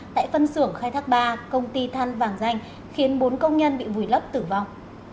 tại phân xưởng khai thác ba công ty than vàng danh khiến bốn công nhân bị vùi lấp tử vong